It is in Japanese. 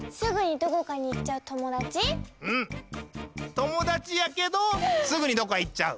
ともだちやけどすぐにどっかいっちゃう。